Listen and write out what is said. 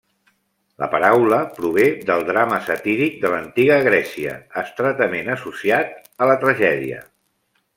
La paraula prové del drama satíric de l'Antiga Grècia, estretament associat a la tragèdia.